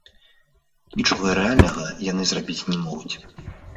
Нічога рэальнага яны зрабіць не могуць.